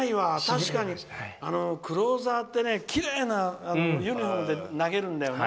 確かにクローザーってきれいなユニフォームで投げるんだよね。